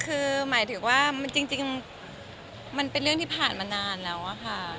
คือหมายถึงว่าจริงมันเป็นเรื่องที่ผ่านมานานแล้วอะค่ะ